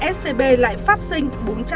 scb lại phát sinh